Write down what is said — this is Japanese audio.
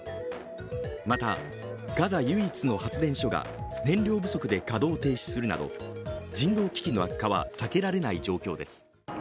またガザ唯一の発電所が燃料不足で稼働停止するなど人道危機の悪化は避けられない状況です。